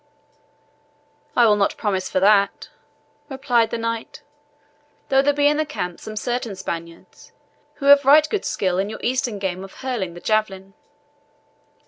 "I will not promise for that," replied the Knight; "though there be in the camp certain Spaniards, who have right good skill in your Eastern game of hurling the javelin."